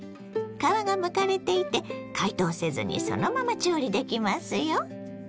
皮がむかれていて解凍せずにそのまま調理できますよ。